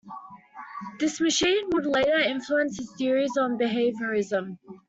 This machine would later influence his theories on behaviorism.